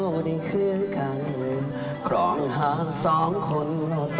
เล่นเพลงคำแพงไหมครับ